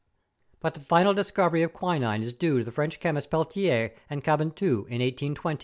But the final discovery of quinine is due to the French chemists Pelletier and Caventou in 1820.